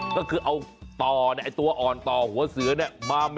ก็คือเอาต่อตัวอ่อนต่อหัวเสือเนี่ย